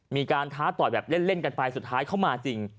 ท้าต่อยแบบเล่นกันไปสุดท้ายเข้ามาจริง